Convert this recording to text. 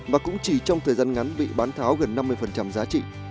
và cũng chỉ trong thời gian ngắn bị bán tháo gần năm mươi giá trị